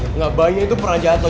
enggak bayi itu pernah jatuh